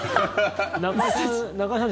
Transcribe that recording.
中居さん